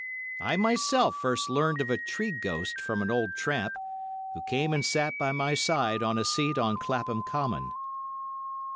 I myself first learned of a tree ghost from an old tramp, who came and sat by my side on a seat on Clapham Common.